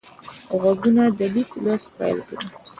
غوږونه د لیک لوست پیل کوي